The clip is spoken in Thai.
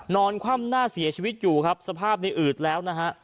นอนคว่ำหน้าเสียชีวิตอยู่สภาพในอืดแล้ว